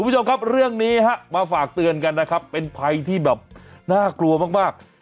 คุณผู้ชมครับเรื่องนี้ฮะมาฝากเตือนกันนะครับเป็นภัยที่แบบน่ากลัวมากมาก